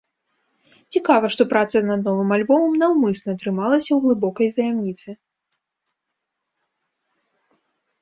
Цікава, што праца над новым альбомам наўмысна трымалася у глыбокай таямніцы.